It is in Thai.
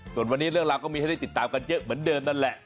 ส่วนวันนี้เรื่องราวก็มีให้ได้ติดตามกันเยอะเหมือนเดิมนั่นแหละ